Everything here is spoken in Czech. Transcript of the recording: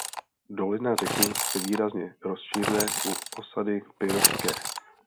Dolina řeky se výrazně rozšiřuje u osady Pirovské.